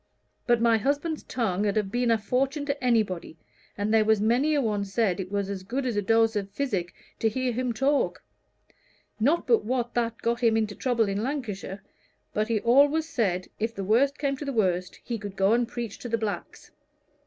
But my husband's tongue 'ud have been a fortune to anybody, and there was many a one said it was as good as a dose of physic to hear him talk; not but what that got him into trouble in Lancashire, but he always said, if the worst came to the worst, he could go and preach to the blacks.